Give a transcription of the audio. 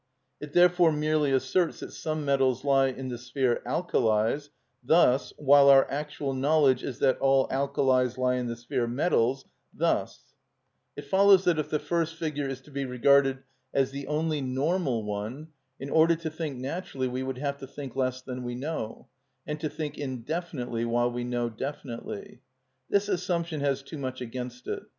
It therefore merely asserts that some metals lie in the sphere "alkalis," thus [Figure 1], while our actual knowledge is that all alkalis lie in the sphere "metals," thus [Figure 2]: It follows that if the first figure is to be regarded as the only normal one, in order to think naturally we would have to think less than we know, and to think indefinitely while we know definitely. This assumption has too much against it.